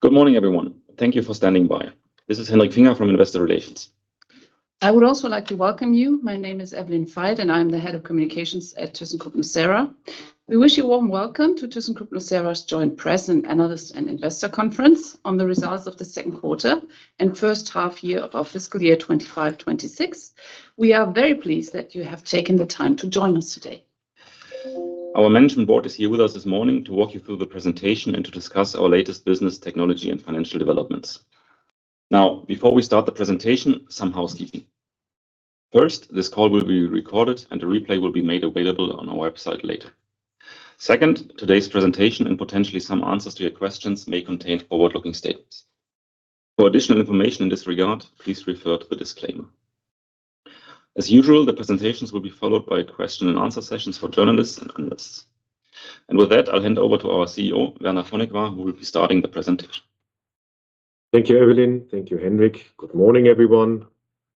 Good morning, everyone. Thank you for standing by. This is Hendrik Finger from Investor Relations. I would also like to welcome you. My name is Katharina Immoor, and I'm the head of communications at thyssenkrupp nucera. We wish you a warm welcome to thyssenkrupp nucera's Joint Press and Analyst and Investor Conference on the results of the second quarter and first half year of our fiscal year 2025-2026. We are very pleased that you have taken the time to join us today. Our management board is here with us this morning to walk you through the presentation and to discuss our latest business technology and financial developments. Now, before we start the presentation, some housekeeping. First, this call will be recorded, and a replay will be made available on our website later. Second, today's presentation, and potentially some answers to your questions may contain forward-looking statements. For additional information in this regard, please refer to the disclaimer. As usual, the presentations will be followed by question and answer sessions for journalists and analysts. With that, I'll hand over to our CEO, Werner Ponikwar, who will be starting the presentation. Thank you, Katharina. Thank you, Hendrik. Good morning, everyone.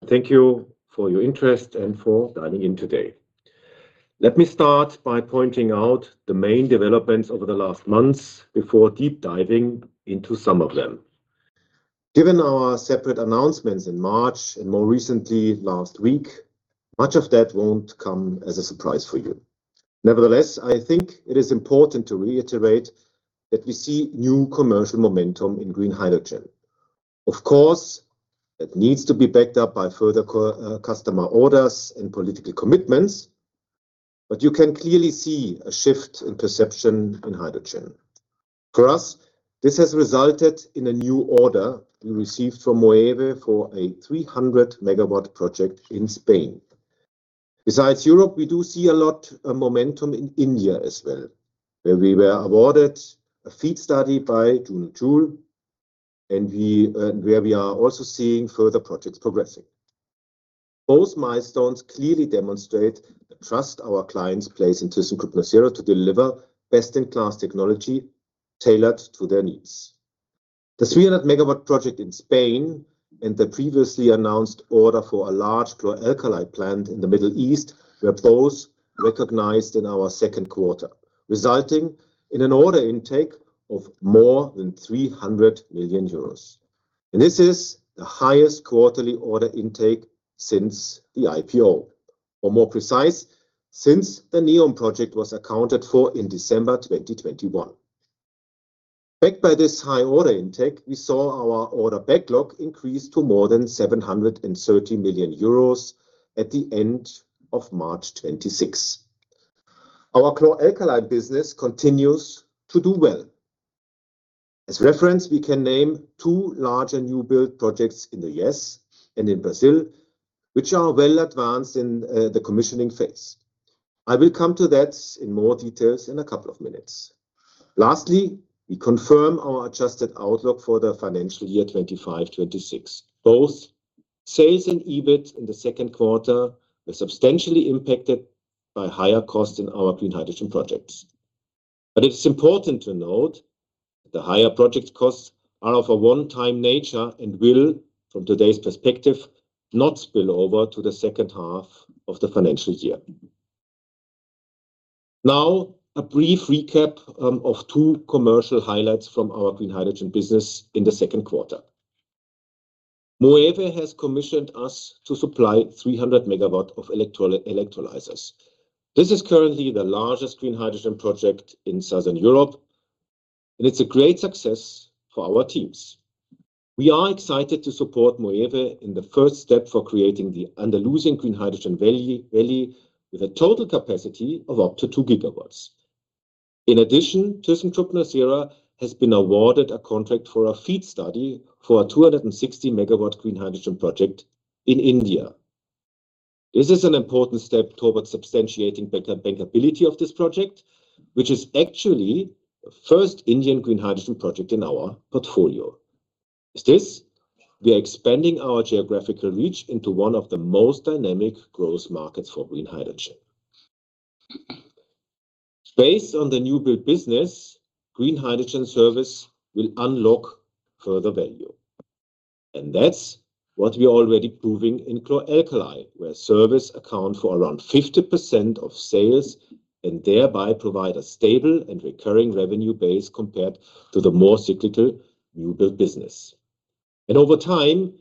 Thank you for your interest and for dialing in today. Let me start by pointing out the main developments over the last months before deep diving into some of them. Given our separate announcements in March and more recently last week, much of that won't come as a surprise for you. Nevertheless, I think it is important to reiterate that we see new commercial momentum in green hydrogen. Of course, it needs to be backed up by further customer orders and political commitments, but you can clearly see a shift in perception in hydrogen. For us, this has resulted in a new order we received from Moeve for a 300 MW project in Spain. Besides Europe, we do see a lot of momentum in India as well, where we were awarded a FEED study by Juno Joule, and we where we are also seeing further projects progressing. Both milestones clearly demonstrate the trust our clients place in thyssenkrupp nucera to deliver best-in-class technology tailored to their needs. The 300 MW project in Spain and the previously announced order for a large chlor-alkali plant in the Middle East were both recognized in our second quarter, resulting in an order intake of more than 300 million euros. This is the highest quarterly order intake since the IPO, or more precise, since the NEOM project was accounted for in December 2021. Backed by this high order intake, we saw our order backlog increase to more than 730 million euros at the end of March 2026. Our chlor-alkali business continues to do well. As reference, we can name two larger new-build projects in the U.S. and in Brazil, which are well advanced in the commissioning phase. I will come to that in more details in a couple of minutes. Lastly, we confirm our adjusted outlook for the financial year 2025-2026. It's important to note the higher project costs are of a one-time nature and will, from today's perspective, not spill over to the second half of the financial year. Now, a brief recap of two commercial highlights from our green hydrogen business in the second quarter. Moeve has commissioned us to supply 300 MW of electrolyzers. This is currently the largest green hydrogen project in Southern Europe, and it's a great success for our teams. We are excited to support Moeve in the first step for creating the Andalusian Green Hydrogen Valley with a total capacity of up to 2 GW. In addition, thyssenkrupp nucera has been awarded a contract for a FEED study for a 260 MW green hydrogen project in India. This is an important step toward substantiating bankability of this project, which is actually the first Indian green hydrogen project in our portfolio. With this, we are expanding our geographical reach into one of the most dynamic growth markets for green hydrogen. Based on the new-build business, green hydrogen service will unlock further value, and that's what we're already proving in chlor-alkali, where service account for around 50% of sales and thereby provide a stable and recurring revenue base compared to the more cyclical new-build business. Over time,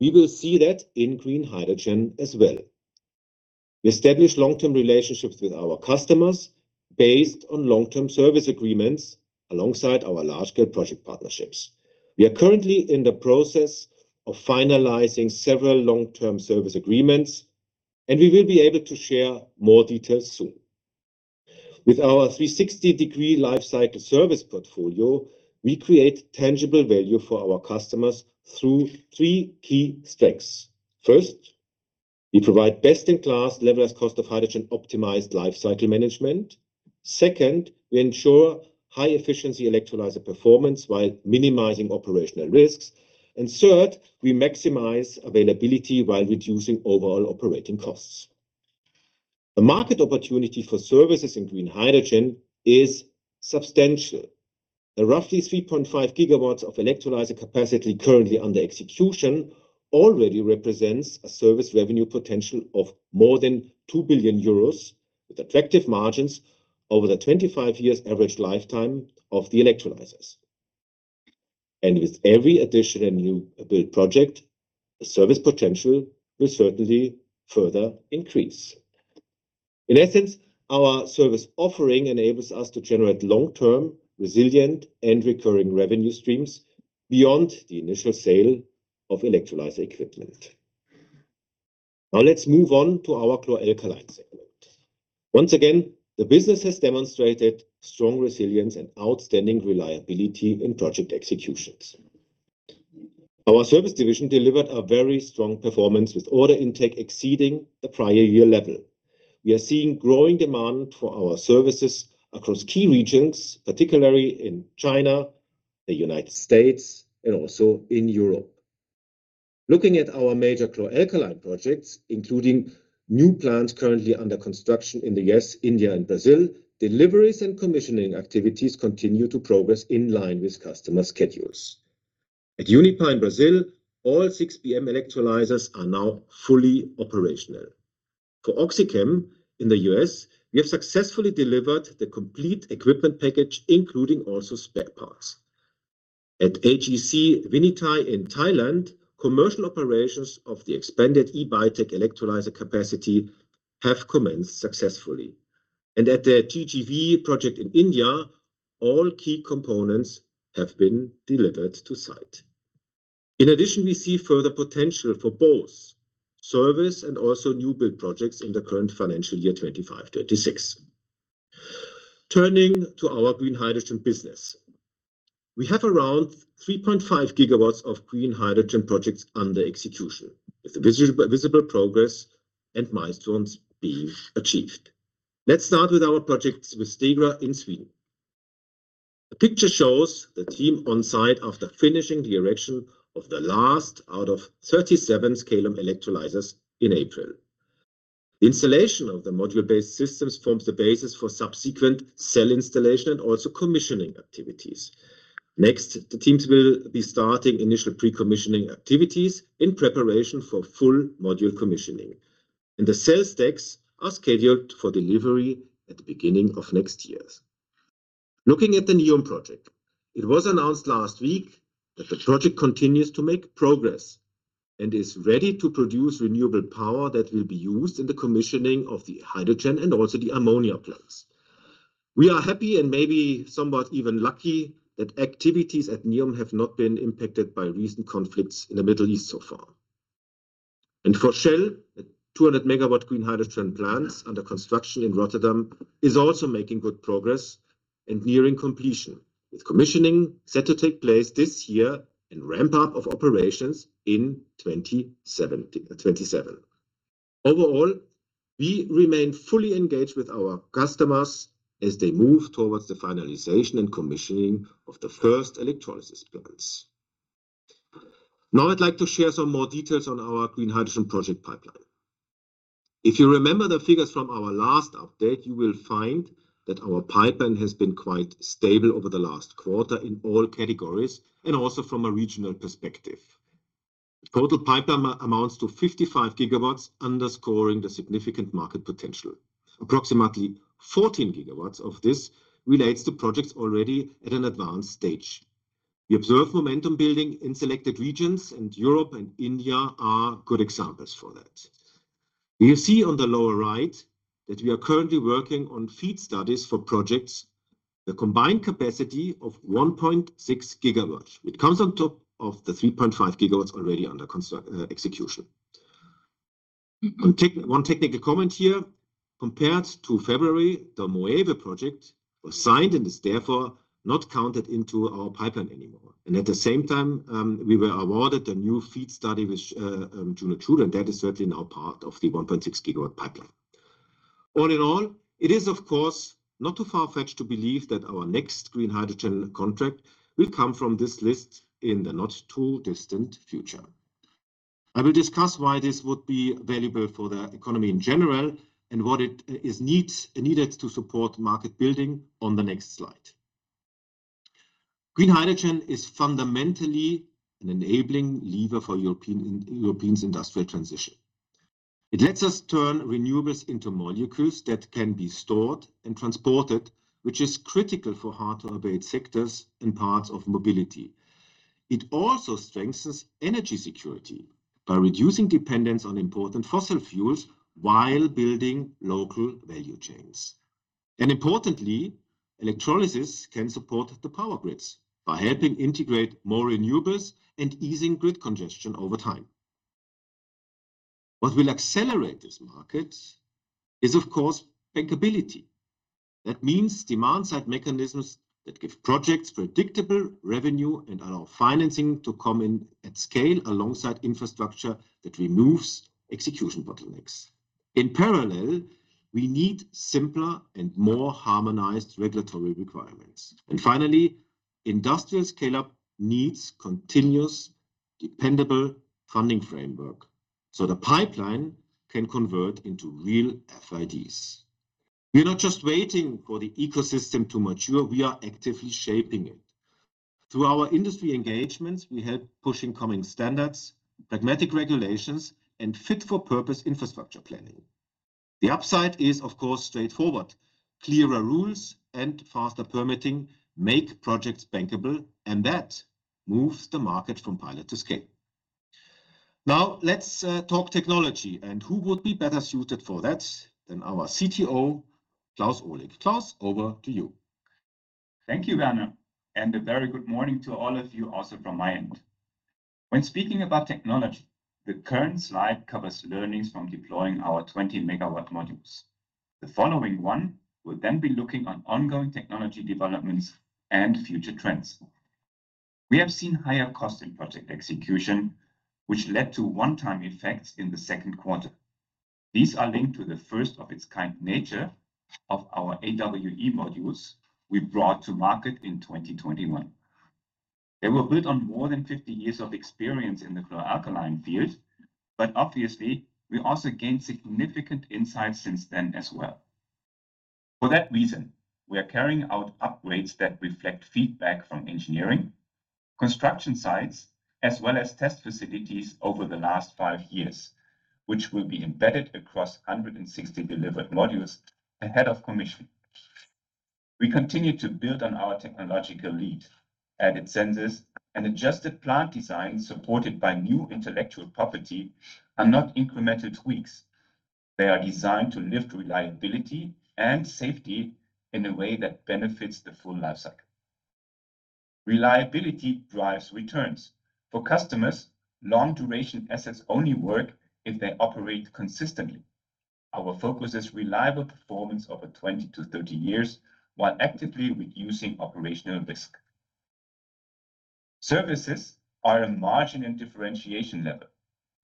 we will see that in green hydrogen as well. We establish long-term relationships with our customers based on long-term service agreements alongside our large-scale project partnerships. We are currently in the process of finalizing several long-term service agreements, and we will be able to share more details soon. With our 360-degree lifecycle service portfolio, we create tangible value for our customers through three key strengths. First, we provide best-in-class levelized cost of hydrogen-optimized lifecycle management. Second, we ensure high-efficiency electrolyzer performance while minimizing operational risks. Third, we maximize availability while reducing overall operating costs. The market opportunity for services in green hydrogen is substantial. The roughly 3.5 GW of electrolyzer capacity currently under execution already represents a service revenue potential of more than 2 billion euros with attractive margins over the 25 years average lifetime of the electrolyzers. With every additional new build project, the service potential will certainly further increase. In essence, our service offering enables us to generate long-term resilient and recurring revenue streams beyond the initial sale of electrolyzer equipment. Now let's move on to our chlor-alkali segment. Once again, the business has demonstrated strong resilience and outstanding reliability in project executions. Our service division delivered a very strong performance with order intake exceeding the prior year level. We are seeing growing demand for our services across key regions, particularly in China, the U.S., and also in Europe. Looking at our major chlor-alkali projects, including new plants currently under construction in the U.S., India, and Brazil, deliveries and commissioning activities continue to progress in line with customer schedules. At Unipar Brazil, all six BM electrolyzers are now fully operational. For OxyChem in the U.S., we have successfully delivered the complete equipment package, including also spare parts. At AGC Vinythai in Thailand, commercial operations of the expanded BiTAC electrolyzer capacity have commenced successfully. At the TGV project in India, all key components have been delivered to site. In addition, we see further potential for both service and also new build projects in the current financial year 2025-2026. Turning to our green hydrogen business. We have around 3.5 GW of green hydrogen projects under execution, with visible progress and milestones being achieved. Let's start with our projects with Stegra in Sweden. The picture shows the team on site after finishing the erection of the last out of 37 scalum electrolyzers in April. Installation of the module-based systems forms the basis for subsequent cell installation and also commissioning activities. The teams will be starting initial pre-commissioning activities in preparation for full module commissioning, and the cell stacks are scheduled for delivery at the beginning of next year. Looking at the NEOM project, it was announced last week that the project continues to make progress and is ready to produce renewable power that will be used in the commissioning of the hydrogen and also the ammonia plants. We are happy, and maybe somewhat even lucky, that activities at NEOM have not been impacted by recent conflicts in the Middle East so far. For Shell, the 200 MW green hydrogen plants under construction in Rotterdam is also making good progress and nearing completion, with commissioning set to take place this year and ramp up of operations in 2027. Overall, we remain fully engaged with our customers as they move towards the finalization and commissioning of the first electrolysis plants. Now I'd like to share some more details on our green hydrogen project pipeline. If you remember the figures from our last update, you will find that our pipeline has been quite stable over the last quarter in all categories and also from a regional perspective. Total pipeline amounts to 55 GW underscoring the significant market potential. Approximately 14 GW of this relates to projects already at an advanced stage. We observe momentum building in selected regions, Europe and India are good examples for that. You see on the lower right that we are currently working on FEED studies for projects with a combined capacity of 1.6 GW, which comes on top of the 3.5 GW already under execution. One technical comment here, compared to February, the Moeve project was signed and is therefore not counted into our pipeline anymore. At the same time, we were awarded a new FEED study with Juno Joule, and that is certainly now part of the 1.6 GW pipeline. All in all, it is, of course, not too far-fetched to believe that our next green hydrogen contract will come from this list in the not-too-distant future. I will discuss why this would be valuable for the economy in general and what is needed to support market building on the next slide. Green hydrogen is fundamentally an enabling lever for Europe's industrial transition. It lets us turn renewables into molecules that can be stored and transported, which is critical for hard-to-abate sectors and parts of mobility. It also strengthens energy security by reducing dependence on important fossil fuels while building local value chains. Importantly, electrolysis can support the power grids by helping integrate more renewables and easing grid congestion over time. What will accelerate this market is, of course, bankability. That means demand-side mechanisms that give projects predictable revenue and allow financing to come in at scale alongside infrastructure that removes execution bottlenecks. In parallel, we need simpler and more harmonized regulatory requirements. Finally, industrial scale-up needs continuous, dependable funding framework, so the pipeline can convert into real FIDs. We're not just waiting for the ecosystem to mature, we are actively shaping it. Through our industry engagements, we help push incoming standards, pragmatic regulations, and fit-for-purpose infrastructure planning. The upside is, of course, straightforward. Clearer rules and faster permitting make projects bankable, and that moves the market from pilot to scale. Now, let's talk technology, and who would be better suited for that than our CTO, Klaus Ohlig. Klaus, over to you. Thank you, Werner, and a very good morning to all of you also from my end. When speaking about technology, the current slide covers learnings from deploying our 20 MW modules. The following one will then be looking on ongoing technology developments and future trends. We have seen higher cost in project execution, which led to one-time effects in the second quarter. These are linked to the first-of-its-kind nature of our AWE modules we brought to market in 2021. They were built on more than 50 years of experience in the chlor-alkali field. Obviously, we also gained significant insights since then as well. For that reason, we are carrying out upgrades that reflect feedback from engineering, construction sites, as well as test facilities over the last five years, which will be embedded across 160 delivered modules ahead of commission. We continue to build on our technological lead. Added sensors and adjusted plant design supported by new intellectual property are not incremental tweaks. They are designed to lift reliability and safety in a way that benefits the full life cycle. Reliability drives returns. For customers, long-duration assets only work if they operate consistently. Our focus is reliable performance over 20 to 30 years while actively reducing operational risk. Services are a margin and differentiation lever.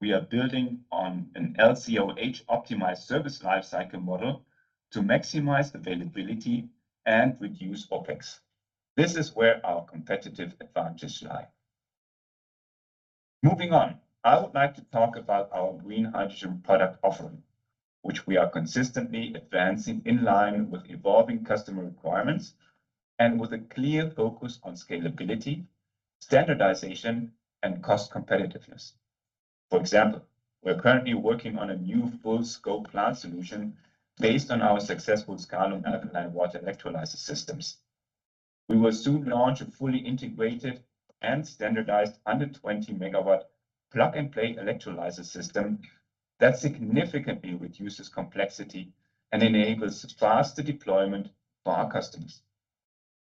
We are building on an LCOH-optimized service life cycle model to maximize availability and reduce OpEx. This is where our competitive advantages lie. I would like to talk about our green hydrogen product offering, which we are consistently advancing in line with evolving customer requirements and with a clear focus on scalability, standardization, and cost competitiveness. For example, we're currently working on a new full-scope plant solution based on our successful scalum alkaline water electrolyzer systems. We will soon launch a fully integrated and standardized under 20 MW plug-and-play electrolyzer system that significantly reduces complexity and enables faster deployment for our customers.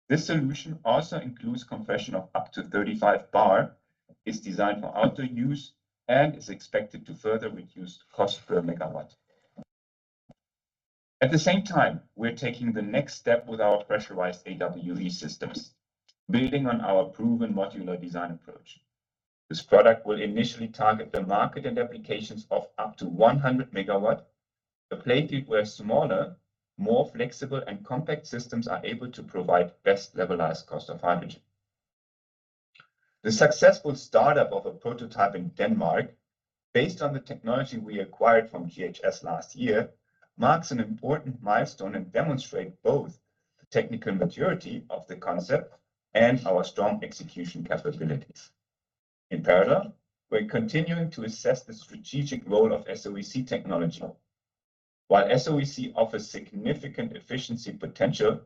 This solution also includes compression of up to 35 bar, is designed for outdoor use, and is expected to further reduce cost per megawatt. At the same time, we're taking the next step with our pressurized AWE systems, building on our proven modular design approach. This product will initially target the market and applications of up to 100 MW, a playtype where smaller, more flexible, and compact systems are able to provide best levelized cost of hydrogen. The successful startup of a prototype in Denmark based on the technology we acquired from GHS last year marks an important milestone and demonstrate both the technical maturity of the concept and our strong execution capabilities. In parallel, we're continuing to assess the strategic role of SOEC technology. While SOEC offers significant efficiency potential,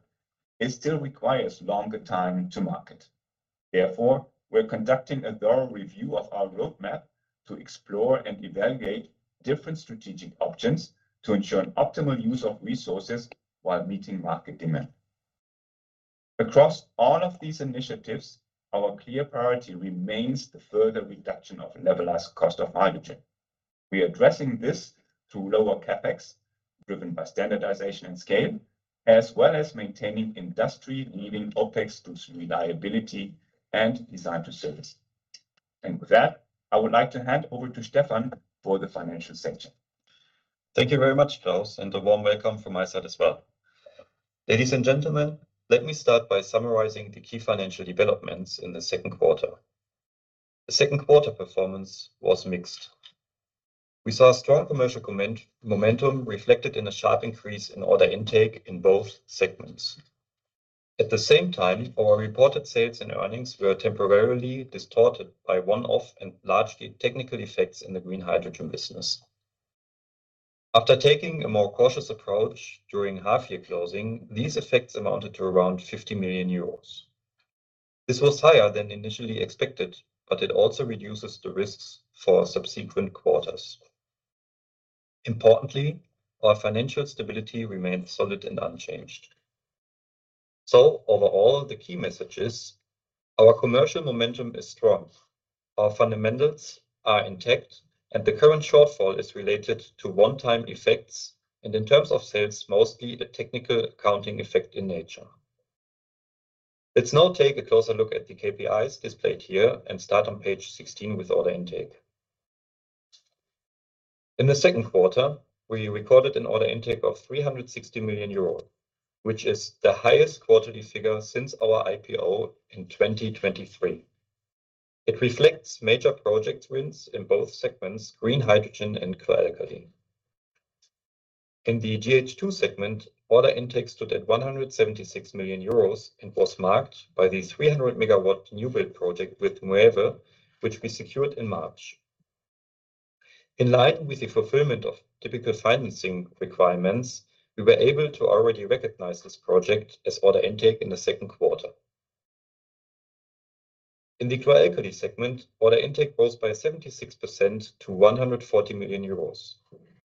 it still requires longer time to market. Therefore, we're conducting a thorough review of our roadmap to explore and evaluate different strategic options to ensure an optimal use of resources while meeting market demand. Across all of these initiatives, our clear priority remains the further reduction of levelized cost of hydrogen. We are addressing this through lower CapEx, driven by standardization and scale, as well as maintaining industry-leading OpEx through reliability and design to service. With that, I would like to hand over to Stefan for the financial section. Thank you very much, Klaus, and a warm welcome from my side as well. Ladies and gentlemen, let me start by summarizing the key financial developments in the second quarter. The second quarter performance was mixed. We saw strong commercial momentum reflected in a sharp increase in order intake in both segments. At the same time, our reported sales and earnings were temporarily distorted by one-off and largely technical effects in the green hydrogen business. After taking a more cautious approach during half-year closing, these effects amounted to around 50 million euros. This was higher than initially expected. It also reduces the risks for subsequent quarters. Importantly, our financial stability remained solid and unchanged. Overall, the key message is our commercial momentum is strong, our fundamentals are intact, and the current shortfall is related to one-time effects, and in terms of sales, mostly a technical accounting effect in nature. Let's now take a closer look at the KPIs displayed here and start on page 16 with order intake. In the second quarter, we recorded an order intake of 360 million euros, which is the highest quarterly figure since our IPO in 2023. It reflects major project wins in both segments, green hydrogen and chlor-alkali. In the GH2 segment, order intake stood at 176 million euros and was marked by the 300 MW new build project with Moeve, which we secured in March. In line with the fulfillment of typical financing requirements, we were able to already recognize this project as order intake in the second quarter. In the chlor-alkali segment, order intake rose by 76% to 140 million euros,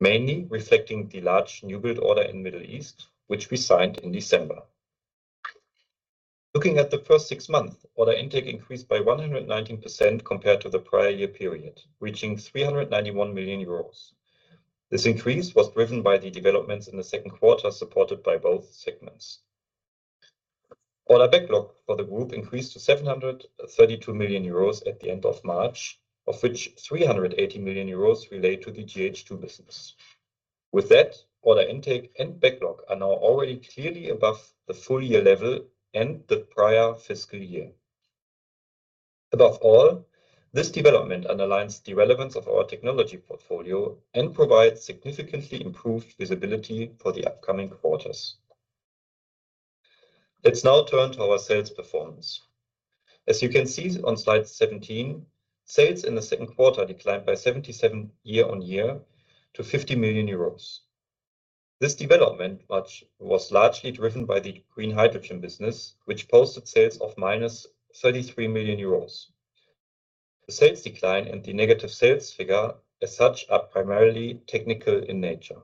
mainly reflecting the large new build order in Middle East, which we signed in December. Looking at the first six months, order intake increased by 119% compared to the prior year period, reaching 391 million euros. This increase was driven by the developments in the second quarter, supported by both segments. Order backlog for the group increased to 732 million euros at the end of March, of which 380 million euros relate to the GH2 business. With that, order intake and backlog are now already clearly above the full year level and the prior fiscal year. Above all, this development underlines the relevance of our technology portfolio and provides significantly improved visibility for the upcoming quarters. Let's now turn to our sales performance. As you can see on slide 17, sales in the second quarter declined by 77% year-on-year to 50 million euros. This development was largely driven by the green hydrogen business, which posted sales of -33 million euros. The sales decline and the negative sales figure as such are primarily technical in nature.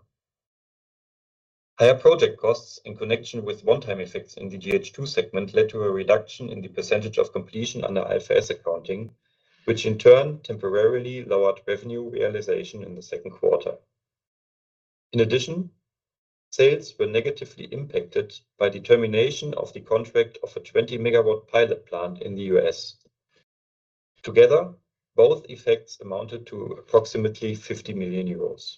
Higher project costs in connection with one-time effects in the GH2 segment led to a reduction in the percentage of completion under IFRS accounting, which in turn temporarily lowered revenue realization in the second quarter. In addition, sales were negatively impacted by the termination of the contract of a 20 MW pilot plant in the U.S. Together, both effects amounted to approximately 50 million euros.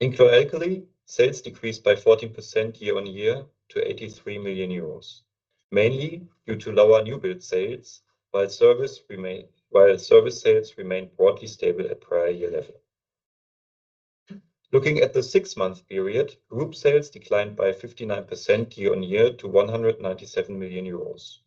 In chlor-alkali, sales decreased by 14% year-on-year to 83 million euros, mainly due to lower new build sales, while service sales remained broadly stable at prior year level. Looking at the six-month period, group sales declined by 59% year-on-year to 197 million euros.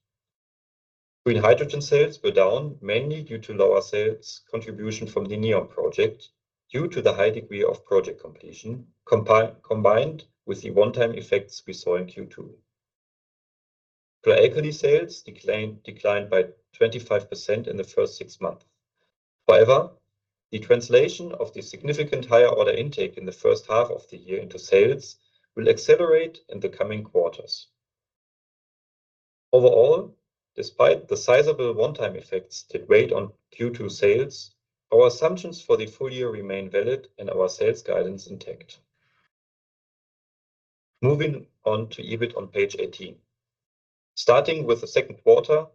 Green hydrogen sales were down mainly due to lower sales contribution from the NEOM project due to the high degree of project completion combined with the one-time effects we saw in Q2. Chlor-alkali sales declined by 25% in the first six months. However, the translation of the significant higher order intake in the first half of the year into sales will accelerate in the coming quarters. Overall, despite the sizable one-time effects that weighed on Q2 sales, our assumptions for the full year remain valid and our sales guidance intact. Moving on to EBIT on page 18. Starting with the second quarter,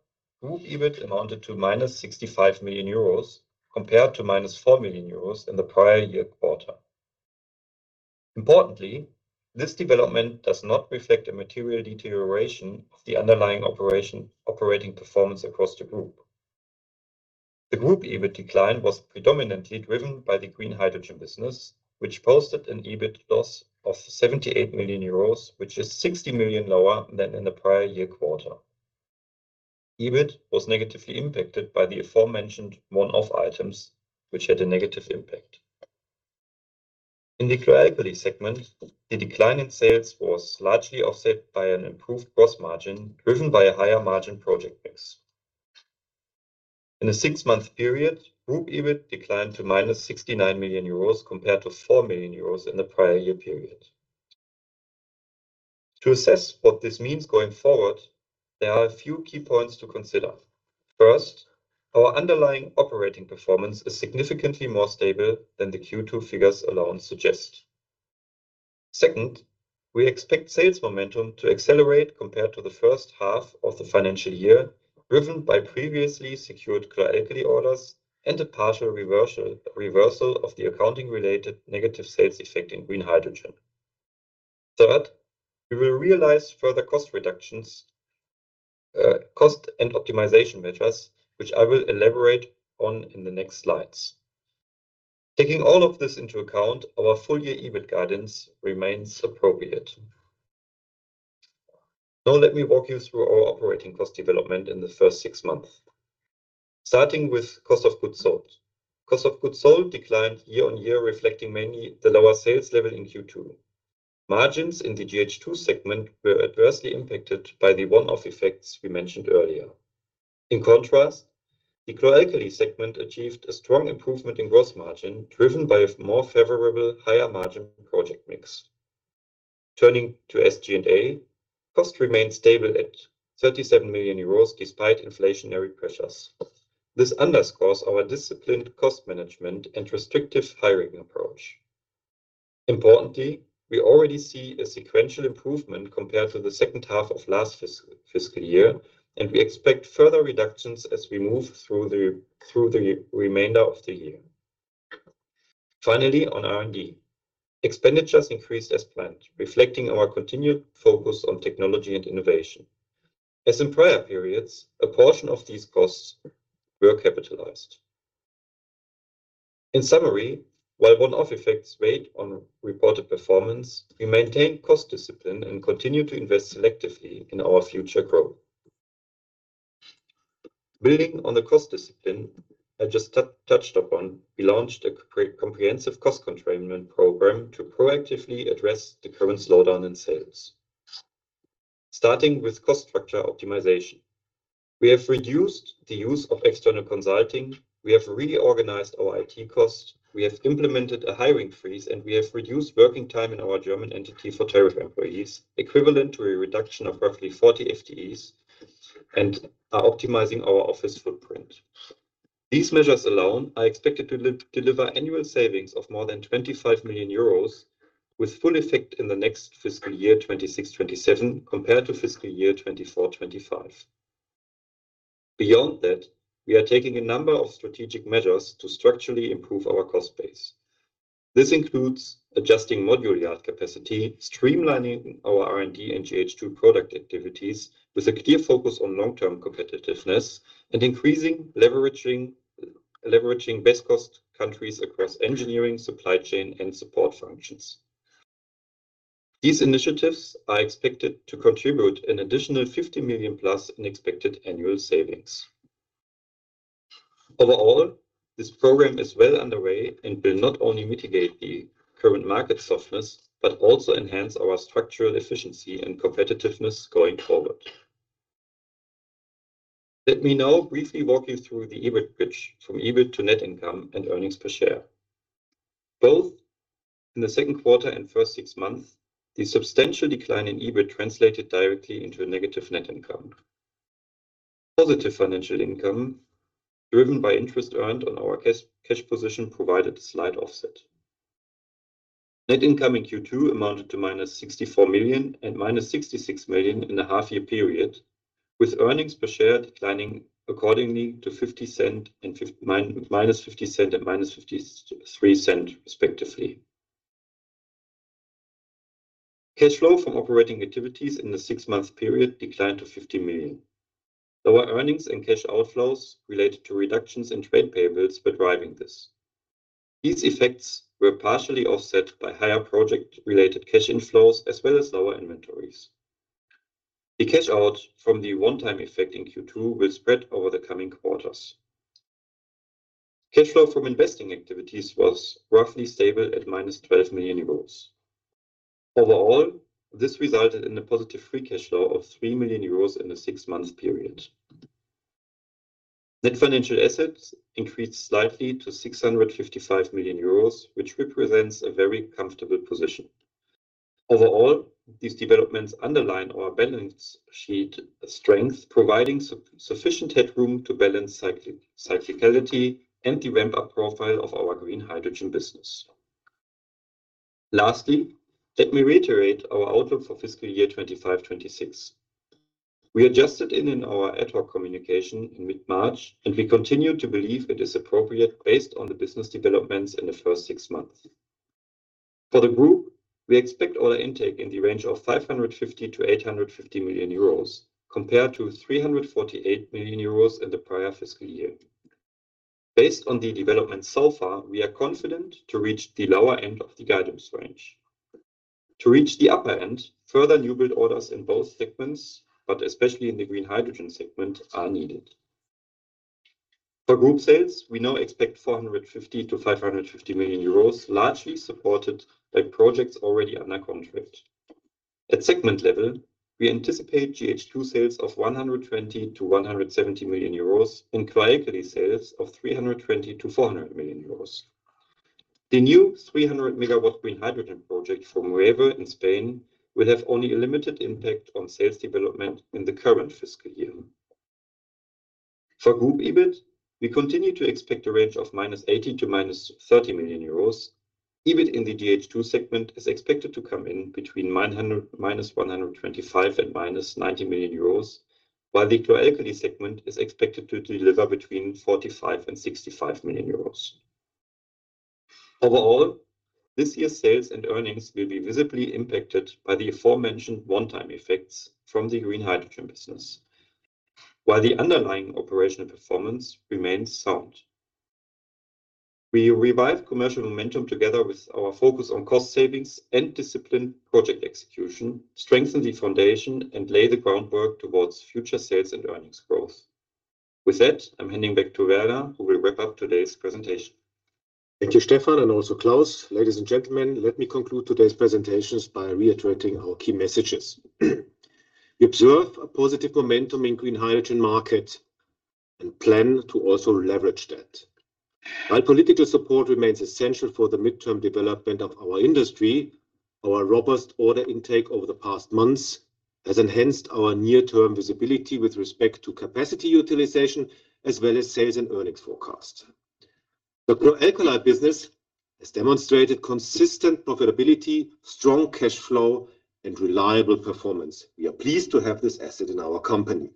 group EBIT amounted to -65 million euros compared to -4 million euros in the prior year quarter. Importantly, this development does not reflect a material deterioration of the underlying operating performance across the group. The group EBIT decline was predominantly driven by the green hydrogen business, which posted an EBIT loss of 78 million euros, which is 60 million lower than in the prior year quarter. EBIT was negatively impacted by the aforementioned one-off items, which had a negative impact. In the chlor-alkali segment, the decline in sales was largely offset by an improved gross margin, driven by a higher margin project mix. In the six-month period, group EBIT declined to -69 million euros compared to 4 million euros in the prior year period. To assess what this means going forward, there are a few key points to consider. First, our underlying operating performance is significantly more stable than the Q2 figures alone suggest. Second, we expect sales momentum to accelerate compared to the first half of the financial year, driven by previously secured chlor-alkali orders and a partial reversal of the accounting-related negative sales effect in green hydrogen. Third, we will realize further cost reductions, cost and optimization measures, which I will elaborate on in the next slides. Taking all of this into account, our full year EBIT guidance remains appropriate. Now let me walk you through our operating cost development in the first six months. Starting with cost of goods sold. Cost of goods sold declined year-on-year, reflecting mainly the lower sales level in Q2. Margins in the GH2 segment were adversely impacted by the one-off effects we mentioned earlier. In contrast, the chlor-alkali segment achieved a strong improvement in gross margin driven by a more favorable higher margin project mix. Turning to SGA, costs remained stable at 37 million euros despite inflationary pressures. This underscores our disciplined cost management and restrictive hiring approach. Importantly, we already see a sequential improvement compared to the second half of last fiscal year, and we expect further reductions as we move through the remainder of the year. Finally, on R&D. Expenditures increased as planned, reflecting our continued focus on technology and innovation. As in prior periods, a portion of these costs were capitalized. In summary, while one-off effects weighed on reported performance, we maintained cost discipline and continued to invest selectively in our future growth. Building on the cost discipline I just touched upon, we launched a great comprehensive cost containment program to proactively address the current slowdown in sales. Starting with cost structure optimization, we have reduced the use of external consulting, we have reorganized our IT cost, we have implemented a hiring freeze, and we have reduced working time in our German entity for tariff employees, equivalent to a reduction of roughly 40 FTEs, and are optimizing our office footprint. These measures alone are expected to deliver annual savings of more than 25 million euros, with full effect in the next fiscal year, 2026/2027, compared to fiscal year 2024/2025. Beyond that, we are taking a number of strategic measures to structurally improve our cost base. This includes adjusting module yard capacity, streamlining our R&D and GH2 product activities with a clear focus on long-term competitiveness, and leveraging best cost countries across engineering, supply chain, and support functions. These initiatives are expected to contribute an additional 50+ million in expected annual savings. Overall, this program is well underway and will not only mitigate the current market softness, but also enhance our structural efficiency and competitiveness going forward. Let me now briefly walk you through the EBIT bridge from EBIT to net income and earnings per share. Both in the second quarter and first six months, the substantial decline in EBIT translated directly into a negative net income. Positive financial income, driven by interest earned on our cash position, provided a slight offset. Net income in Q2 amounted to -64 million and -66 million in the half-year period, with earnings per share declining accordingly to 0.50 and -0.50 and -0.53 respectively. Cash flow from operating activities in the six-month period declined to 50 million. Lower earnings and cash outflows related to reductions in trade payables were driving this. These effects were partially offset by higher project-related cash inflows as well as lower inventories. The cash out from the one-time effect in Q2 will spread over the coming quarters. Cash flow from investing activities was roughly stable at -12 million euros. Overall, this resulted in a positive free cash flow of 3 million euros in the six months period. Net financial assets increased slightly to 655 million euros, which represents a very comfortable position. Overall, these developments underline our balance sheet strength, providing sufficient headroom to balance cyclicality and the ramp-up profile of our green hydrogen business. Lastly, let me reiterate our outlook for fiscal year 2025/2026. We adjusted it in our ad hoc communication in mid-March, and we continue to believe it is appropriate based on the business developments in the first six months. For the group, we expect order intake in the range of 550 million-850 million euros, compared to 348 million euros in the prior fiscal year. Based on the development so far, we are confident to reach the lower end of the guidance range. To reach the upper end, further new build orders in both segments, but especially in the green hydrogen segment, are needed. For group sales, we now expect 450 million-550 million euros, largely supported by projects already under contract. At segment level, we anticipate GH2 sales of 120 million-170 million euros and chlor-alkali sales of 320 million-400 million euros. The new 300 MW green hydrogen project from Puertollano in Spain will have only a limited impact on sales development in the current fiscal year. For group EBIT, we continue to expect a range of -80 million to -30 million euros. EBIT in the GH2 segment is expected to come in between [900 -125] million and -90 million euros, while the chlor-alkali segment is expected to deliver between 45 million and 65 million euros. Overall, this year's sales and earnings will be visibly impacted by the aforementioned one-time effects from the green hydrogen business, while the underlying operational performance remains sound. We revive commercial momentum together with our focus on cost savings and disciplined project execution, strengthen the foundation, and lay the groundwork towards future sales and earnings growth. With that, I'm handing back to Werner, who will wrap up today's presentation. Thank you, Stefan, and also Klaus. Ladies and gentlemen, let me conclude today's presentations by reiterating our key messages. We observe a positive momentum in green hydrogen market and plan to also leverage that. While political support remains essential for the mid-term development of our industry, our robust order intake over the past months has enhanced our near-term visibility with respect to capacity utilization as well as sales and earnings forecast. The chlor-alkali business has demonstrated consistent profitability, strong cash flow, and reliable performance. We are pleased to have this asset in our company.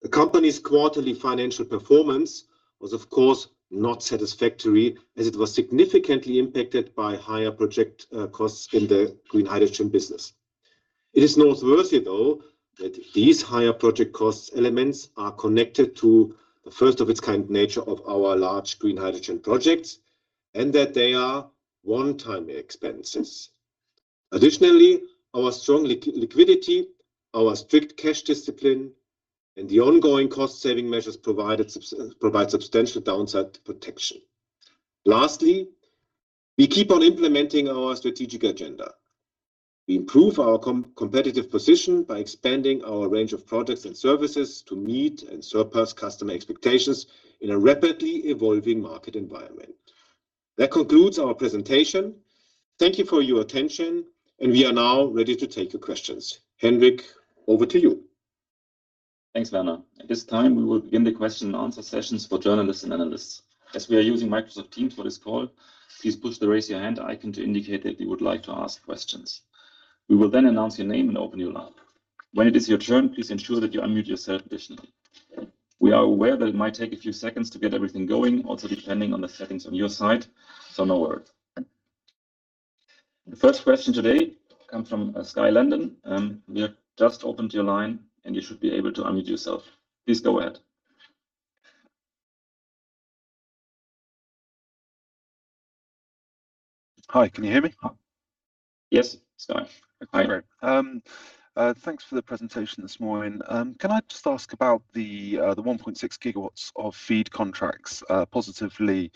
The company's quarterly financial performance was, of course, not satisfactory as it was significantly impacted by higher project costs in the green hydrogen business. It is noteworthy though that these higher project cost elements are connected to the first of its kind nature of our large green hydrogen projects and that they are one-time expenses. Additionally, our strong liquidity, our strict cash discipline and the ongoing cost-saving measures provided substantial downside protection. Lastly, we keep on implementing our strategic agenda. We improve our competitive position by expanding our range of products and services to meet and surpass customer expectations in a rapidly evolving market environment. That concludes our presentation. Thank you for your attention and we are now ready to take your questions. Hendrik, over to you. Thanks, Werner. At this time, we will begin the question and answer sessions for journalists and analysts. As we are using Microsoft Teams for this call, please push the Raise Your Hand icon to indicate that you would like to ask questions. We will announce your name and open your line. When it is your turn, please ensure that you unmute yourself additionally. We are aware that it might take a few seconds to get everything going, also depending on the settings on your side, no worry. The first question today comes from Skye Landon. We have just opened your line and you should be able to unmute yourself. Please go ahead. Hi, can you hear me? Yes, Skye. Hi. Great. Thanks for the presentation this morning. Can I just ask about the 1.6 GW of FEED contracts? Positively,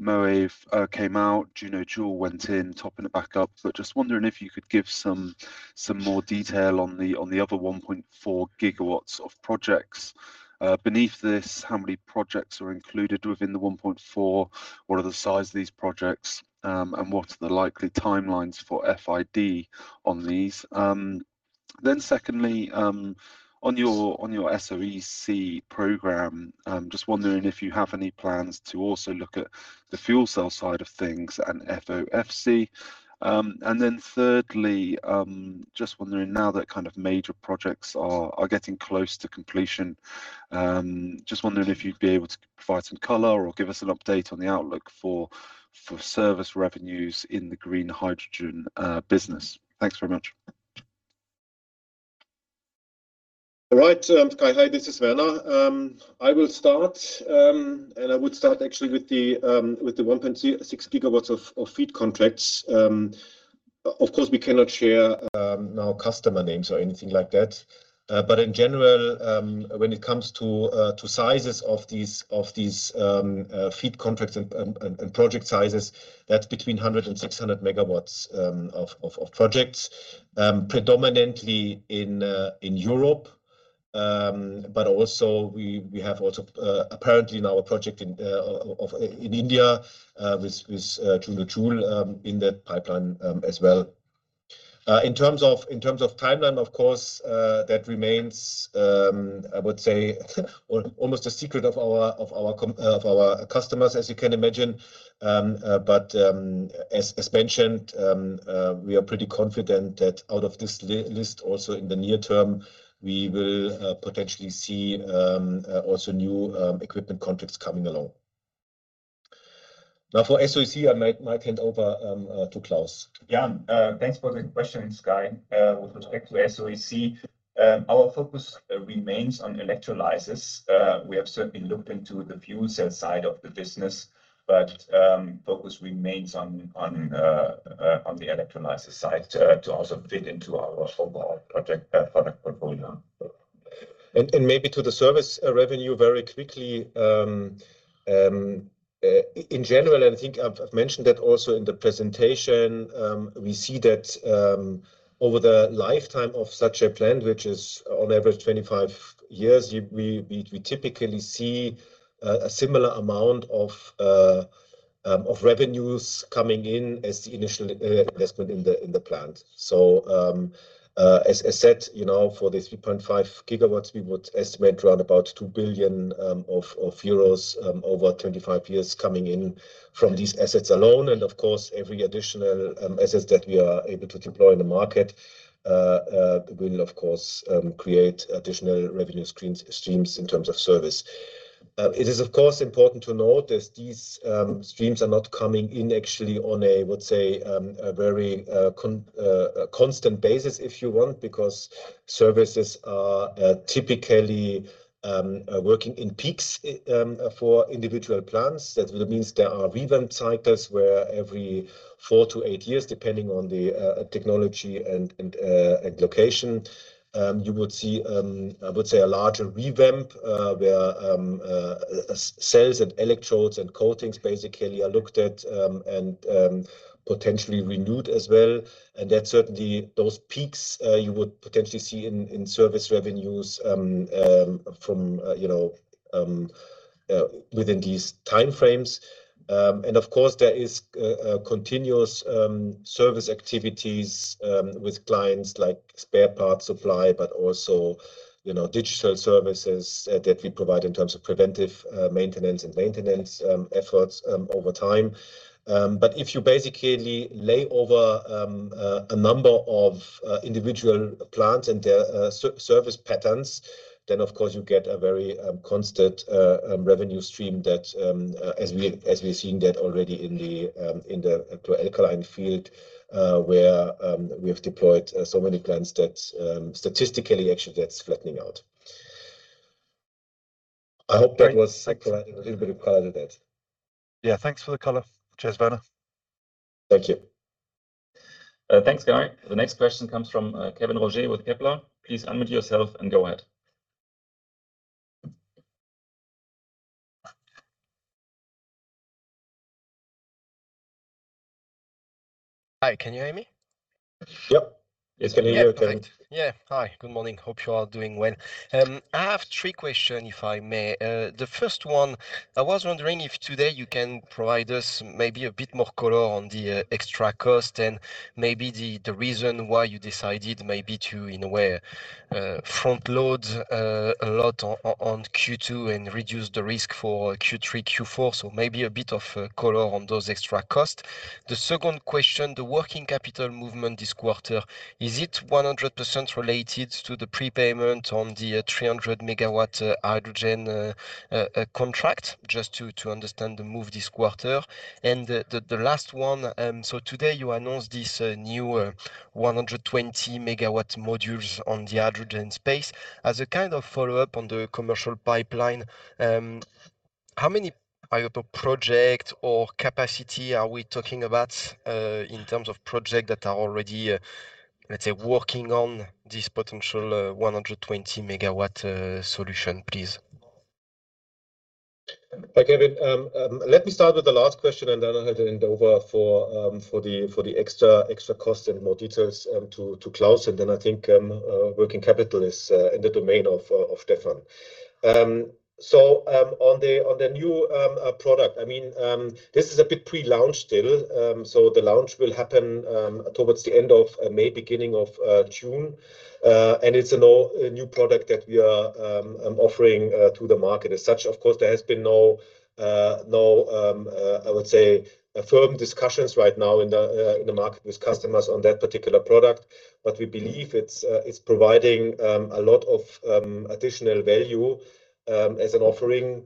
Moeve came out, Juno Joule went in topping it back up. Just wondering if you could give some more detail on the other 1.4 GW of projects. Beneath this, how many projects are included within the 1.4 GW? What are the size of these projects? What are the likely timelines for FID on these? Secondly, on your SOEC program, just wondering if you have any plans to also look at the fuel cell side of things and SOFC. Thirdly, just wondering now that kind of major projects are getting close to completion, just wondering if you'd be able to provide some color or give us an update on the outlook for service revenues in the green hydrogen business. Thanks very much. All right, Skye. Hi, this is Werner. I will start, and I would start actually with the 1.6 GW of FEED contracts. Of course, we cannot share our customer names or anything like that. In general, when it comes to sizes of these FEED contracts and project sizes, that's between 100 MW and 600 MW of projects. Predominantly in Europe, but also we have also apparently now a project in India with Juno Joule in that pipeline as well.a In terms of timeline, of course, that remains almost a secret of our customers, as you can imagine. As mentioned, we are pretty confident that out of this list also in the near term, we will potentially see also new equipment contracts coming along. For SOEC, I might hand over to Klaus. Thanks for the question, Skye. With respect to SOEC, our focus remains on electrolysis. We have certainly looked into the fuel cell side of the business, but focus remains on the electrolysis side to also fit into our overall project product portfolio. Maybe to the service revenue very quickly. In general, I think I've mentioned that also in the presentation, we see that over the lifetime of such a plant, which is on average 25 years, we typically see a similar amount of revenues coming in as the initial investment in the plant. As I said, you know, for the 3.5 GW, we would estimate around about 2 billion euros over 25 years coming in from these assets alone. Of course, every additional assets that we are able to deploy in the market will of course create additional revenue streams in terms of service. It is of course important to note that these streams are not coming in actually on a, I would say, a very constant basis, if you want, because services are typically working in peaks for individual plants. That means there are revamp cycles where every four to eight years, depending on the technology and location, you would see, I would say a larger revamp, where cells and electrodes and coatings basically are looked at and potentially renewed as well. That certainly, those peaks, you would potentially see in service revenues from, you know, within these time frames. Of course, there is continuous service activities with clients like spare parts supply, but also, you know, digital services that we provide in terms of preventive maintenance and maintenance efforts over time. If you basically lay over a number of individual plants and their service patterns, then of course you get a very constant revenue stream that as we, as we've seen that already in the electro alkaline field, where we have deployed so many plants that statistically actually that's flattening out. I hope that was providing a little bit of color to that. Yeah. Thanks for the color. Cheers, Werner. Thank you. Thanks, Skye. The next question comes from Kevin Roger with Kepler. Please unmute yourself and go ahead. Hi, can you hear me? Yep. Yes, can hear you, Kevin. Yeah. Hi. Good morning. Hope you are doing well. I have three question, if I may. The first one, I was wondering if today you can provide us maybe a bit more color on the extra cost and maybe the reason why you decided maybe to, in a way, front-load a lot on Q2 and reduce the risk for Q3, Q4. Maybe a bit of color on those extra costs. The second question, the working capital movement this quarter, is it 100% related to the prepayment on the 300 MW hydrogen contract? Just to understand the move this quarter. The last one, today you announced this new 120 MW modules on the hydrogen space. As a kind of follow-up on the commercial pipeline, how many are your project or capacity are we talking about, in terms of project that are already, let's say, working on this potential, 120 MW, solution, please? Hi, Kevin. Let me start with the last question, and then I'll hand it over for the extra cost and more details to Klaus. I think working capital is in the domain of Stefan. On the new product, I mean, this is a bit pre-launch still. The launch will happen towards the end of May, beginning of June. It's a new product that we are offering to the market. As such, of course, there has been no, I would say firm discussions right now in the market with customers on that particular product. We believe it's providing a lot of additional value as an offering,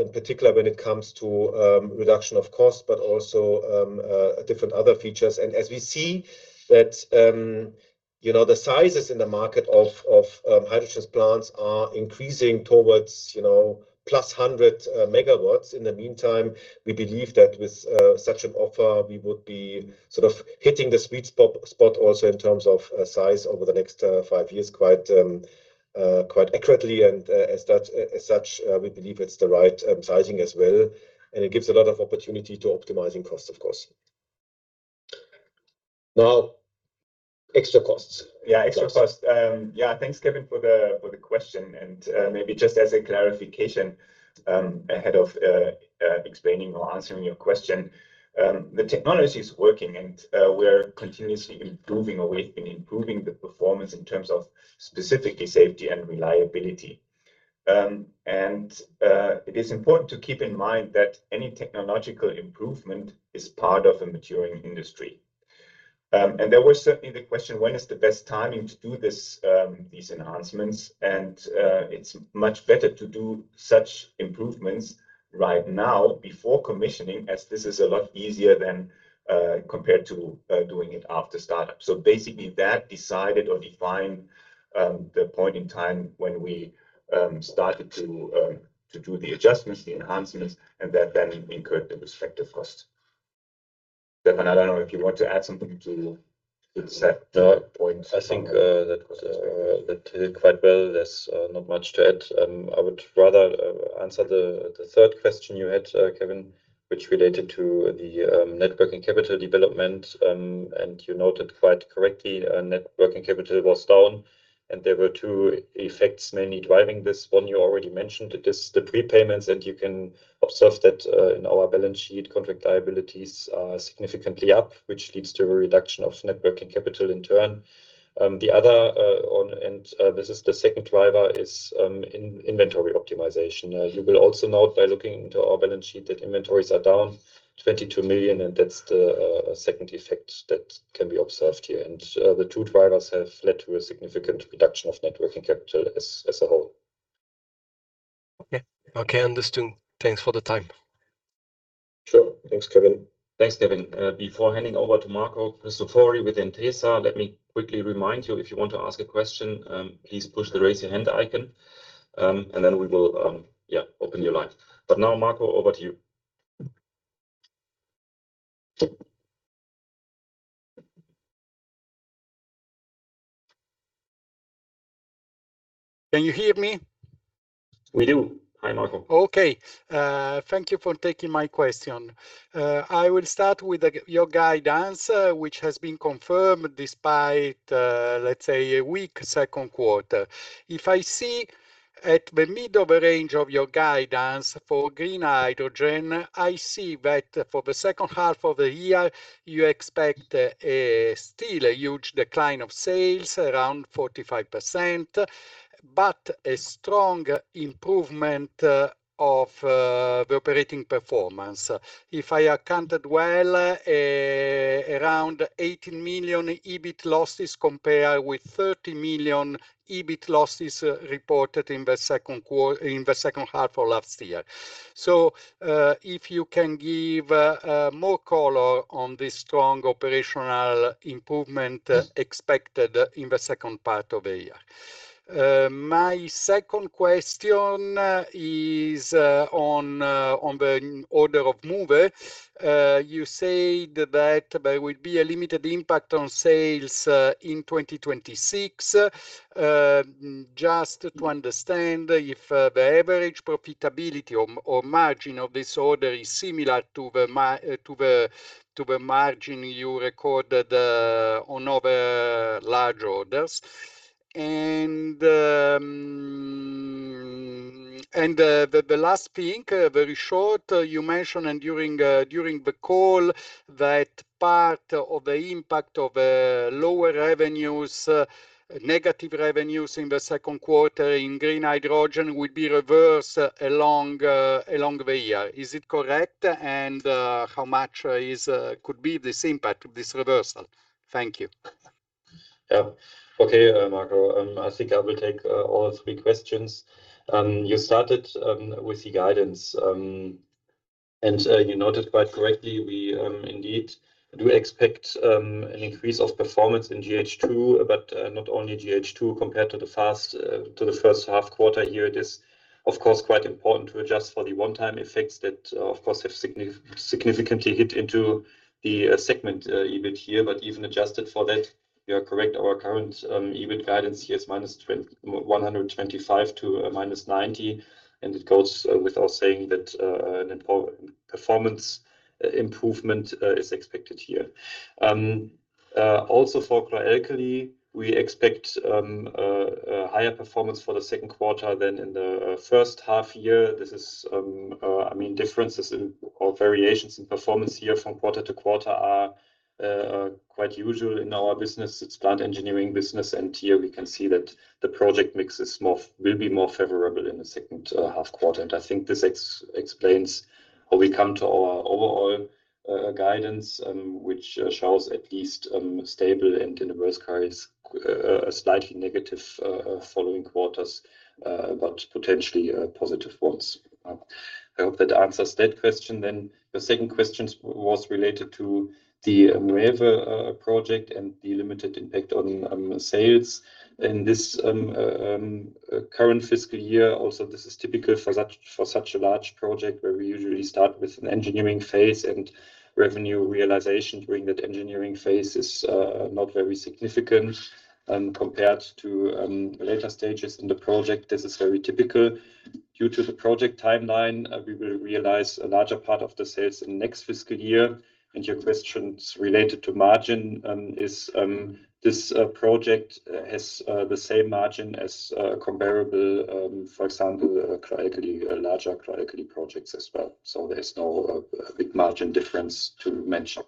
in particular when it comes to reduction of cost, but also different other features. As we see that, you know, the sizes in the market of hydrogen plants are increasing towards, you know, +100 MW. In the meantime, we believe that with such an offer, we would be sort of hitting the sweet spot also in terms of size over the next five years quite accurately. As such, we believe it's the right sizing as well, and it gives a lot of opportunity to optimizing costs, of course. Now, extra costs. Yeah, extra cost. Thanks, Kevin, for the question. Maybe just as a clarification, ahead of explaining or answering your question, the technology is working, we're continuously improving or we've been improving the performance in terms of specifically safety and reliability. It is important to keep in mind that any technological improvement is part of a maturing industry. There was certainly the question, when is the best timing to do this, these enhancements? It's much better to do such improvements right now before commissioning, as this is a lot easier than compared to doing it after startup. Basically that decided or defined the point in time when we started to do the adjustments, the enhancements, and that then incurred the respective cost. Stefan, I don't know if you want to add something to set the point. No, I think that did it quite well. There's not much to add. I would rather answer the third question you had, Kevin, which related to the net working capital development. You noted quite correctly, net working capital was down, and there were two effects mainly driving this. One you already mentioned. It is the prepayments, and you can observe that in our balance sheet, contract liabilities are significantly up, which leads to a reduction of net working capital in turn. The other, on and, this is the second driver, is inventory optimization. You will also note by looking into our balance sheet that inventories are down 22 million, and that's the second effect that can be observed here. The two drivers have led to a significant reduction of net working capital as a whole. Okay. Okay, understood. Thanks for the time. Sure. Thanks, Kevin. Thanks, Kevin. Before handing over to Marco Cristofori with Intesa, let me quickly remind you, if you want to ask a question, please push the Raise Your Hand icon, and then we will open your line. Now, Marco, over to you. Can you hear me? We do. Hi, Marco. Okay. Thank you for taking my question. I will start with your guidance, which has been confirmed despite, let's say, a weak second quarter. If I see at the mid of range of your guidance for green hydrogen, I see that for the second half of the year, you expect still a huge decline of sales, around 45%, but a strong improvement of the operating performance. If I accounted well, around 18 million EBIT losses compare with 30 million EBIT losses reported in the second half of last year. If you can give more color on this strong operational improvement expected in the second part of the year. My second question is on the order of Moeve. You said that there will be a limited impact on sales in 2026. Just to understand if the average profitability or margin of this order is similar to the margin you recorded on other large orders. The last thing, very short, you mentioned during the call that part of the impact of lower revenues, negative revenues in the second quarter in green hydrogen would be reversed along the year. Is it correct? How much is could be this impact of this reversal? Thank you. Okay, Marco, I think I will take all three questions. You started with the guidance, and you noted quite correctly, we indeed do expect an increase of performance in GH2, but not only GH2 compared to the first half quarter here. It is, of course, quite important to adjust for the one-time effects that, of course, have significantly hit into the segment EBIT here. Even adjusted for that, you are correct. Our current EBIT guidance here is -125 to -90, it goes without saying that a performance improvement is expected here. Also for chlor-alkali, we expect a higher performance for the second quarter than in the first half year. This is, I mean, differences in or variations in performance here from quarter-to-quarter are quite usual in our business. It's plant engineering business, here we can see that the project mix is more, will be more favorable in the second half quarter. I think this explains how we come to our overall guidance, which shows at least stable and in the worst case a slightly negative following quarters, but potentially positive ones. I hope that answers that question then. The second questions was related to the Moeve project and the limited impact on sales. In this current fiscal year, also this is typical for such a large project where we usually start with an engineering phase and revenue realization during that engineering phase is not very significant compared to later stages in the project. This is very typical. Due to the project timeline, we will realize a larger part of the sales in next fiscal year. Your questions related to margin is this project has the same margin as comparable, for example, chlor-alkali, larger chlor-alkali projects as well. There's no big margin difference to mention.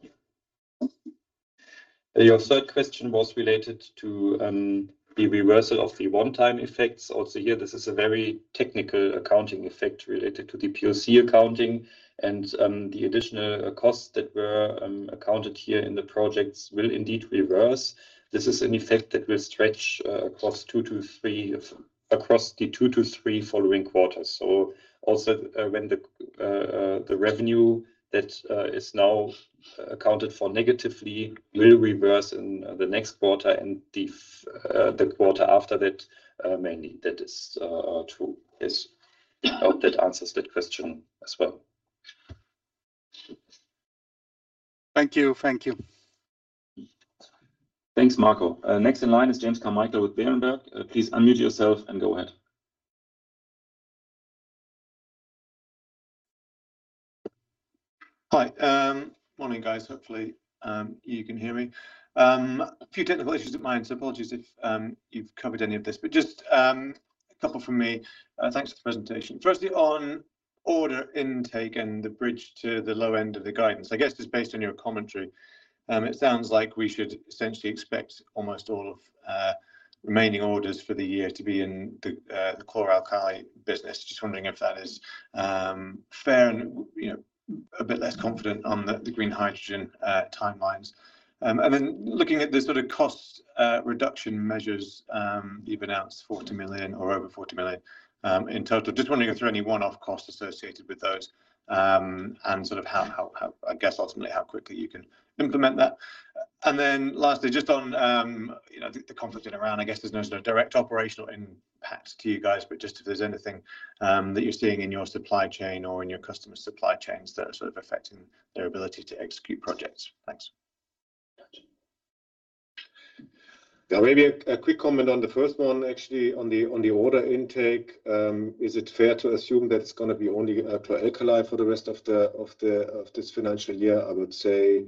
Your third question was related to the reversal of the one-time effects. Here, this is a very technical accounting effect related to the POC accounting and the additional costs that were accounted here in the projects will indeed reverse. This is an effect that will stretch across the two to three following quarters. Also, when the revenue that is now accounted for negatively will reverse in the next quarter and the quarter after that, mainly. That is true. Yes. I hope that answers that question as well. Thank you. Thank you. Thanks, Marco. Next in line is James Carmichael with Berenberg. Please unmute yourself and go ahead. Hi. Morning, guys. Hopefully, you can hear me. A few technical issues at my end, so apologies if you've covered any of this. Just a couple from me. Thanks for the presentation. Firstly, on order intake and the bridge to the low end of the guidance, I guess just based on your commentary, it sounds like we should essentially expect almost all of remaining orders for the year to be in the chlor-alkali business. Just wondering if that is fair and, you know, a bit less confident on the green hydrogen timelines. Looking at the sort of cost reduction measures, you've announced 40 million or over 40 million in total. Just wondering if there are any one-off costs associated with those, and sort of how I guess ultimately how quickly you can implement that. Lastly, just on, you know, the confidence in around, I guess there's no sort of direct operational impact to you guys, but just if there's anything that you're seeing in your supply chain or in your customer supply chains that are sort of affecting their ability to execute projects. Thanks. Yeah, maybe a quick comment on the first one actually on the order intake. Is it fair to assume that it's gonna be only chlor-alkali for the rest of this financial year? I would say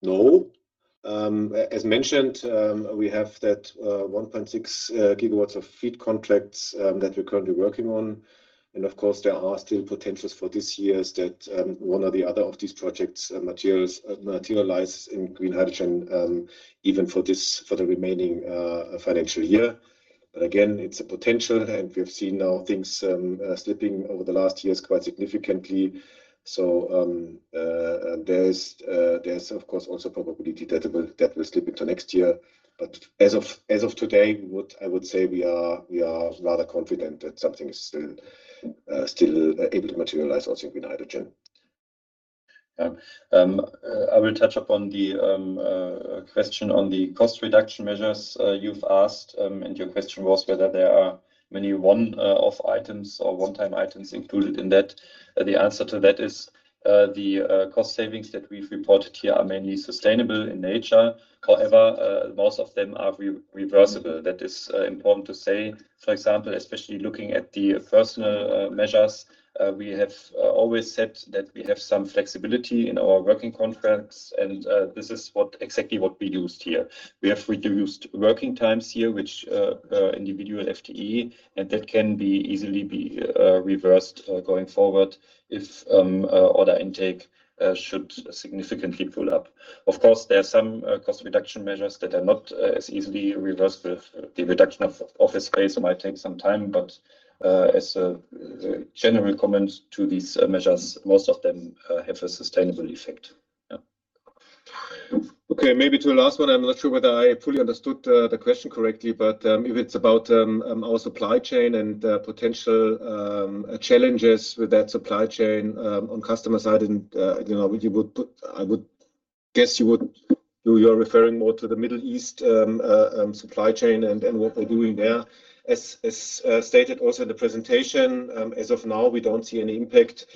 no. As mentioned, we have that 1.6 GW of FEED contracts that we're currently working on. Of course, there are still potentials for this year that one or the other of these projects materialize in green hydrogen even for this, for the remaining financial year. Again, it's a potential, and we've seen now things slipping over the last years quite significantly. There's of course also probability that it will slip into next year. As of today, what I would say we are rather confident that something is still able to materialize also in green hydrogen. I will touch upon the question on the cost reduction measures you've asked. Your question was whether there are many one-off items or one-time items included in that. The answer to that is the cost savings that we've reported here are mainly sustainable in nature. However, most of them are reversible. That is important to say. For example, especially looking at the personal measures, we have always said that we have some flexibility in our working contracts, and this is what exactly what we used here. We have reduced working times here, which individual FTE, and that can be easily be reversed going forward if order intake should significantly pull up. Of course, there are some cost reduction measures that are not as easily reversed. The reduction of office space might take some time, but as a general comment to these measures, most of them have a sustainable effect. Yeah. Okay. Maybe to the last one, I'm not sure whether I fully understood the question correctly, but if it's about our supply chain and the potential challenges with that supply chain on customer side and, you know, I would guess you are referring more to the Middle East supply chain and what we're doing there. As stated also in the presentation, as of now, we don't see any impact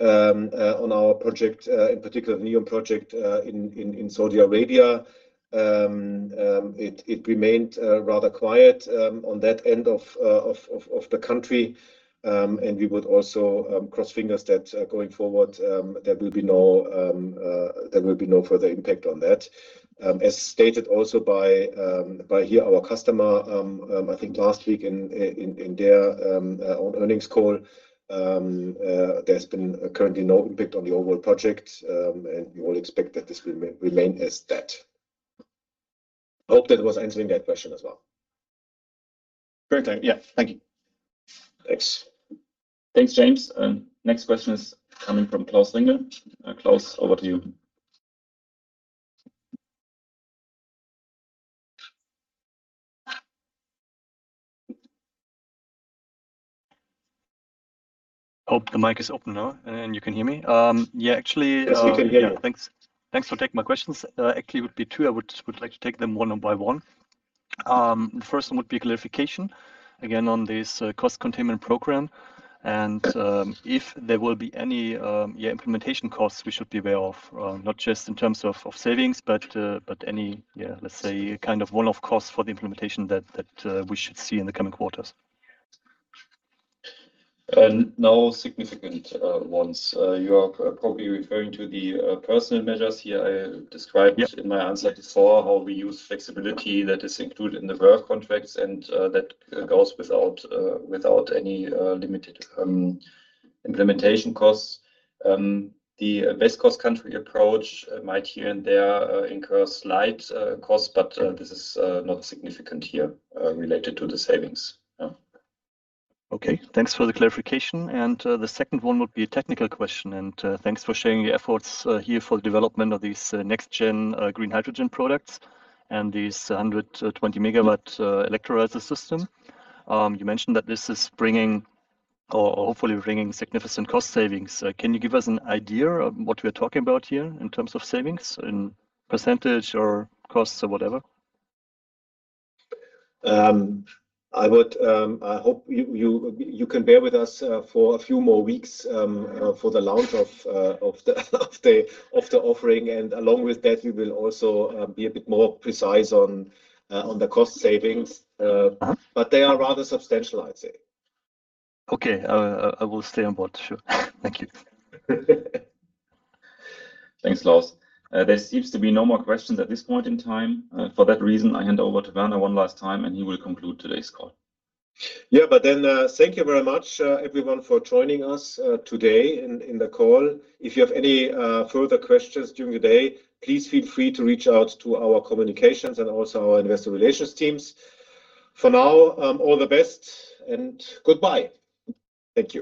on our project, in particular the NEOM project, in Saudi Arabia. It remained rather quiet on that end of the country. We would also cross fingers that going forward, there will be no further impact on that. As stated also by our customer, I think last week in their own earnings call, there's been currently no impact on the overall project, and we all expect that this will remain as that. Hope that was answering that question as well. Perfect. Yeah. Thank you. Thanks. Thanks, James. Next question is coming from Klaus Ringel. Klaus, over to you. Hope the mic is open now and you can hear me. Yes, we can hear you. Thanks. Thanks for taking my questions. Actually, would be two. I would like to take them one by one. First one would be clarification again on this cost containment program, and if there will be any implementation costs we should be aware of, not just in terms of savings, but any, let's say, kind of one-off costs for the implementation that we should see in the coming quarters. No significant ones. You are probably referring to the personal measures here. Yeah in my answer before, how we use flexibility that is included in the work contracts and that goes without without any limited implementation costs. The best cost country approach might here and there incur slight cost, but this is not significant here related to the savings. Yeah. Okay. Thanks for the clarification. The second one would be a technical question, thanks for sharing your efforts here for the development of these next-gen green hydrogen products and these 120 MW electrolyzer system. You mentioned that this is bringing or hopefully bringing significant cost savings. Can you give us an idea of what we're talking about here in terms of savings in percentage or costs or whatever? I hope you can bear with us for a few more weeks for the launch of the offering. Along with that, we will also be a bit more precise on the cost savings. They are rather substantial, I'd say. Okay. I will stay on board. Sure. Thank you. Thanks, Klaus. There seems to be no more questions at this point in time. For that reason, I hand over to Werner one last time, and he will conclude today's call. Thank you very much, everyone for joining us today in the call. If you have any further questions during the day, please feel free to reach out to our communications and also our investor relations teams. For now, all the best and goodbye. Thank you.